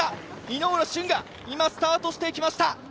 猪浦舜が今スタートしていきました。